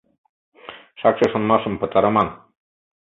Шакше шонымашым пытарыман.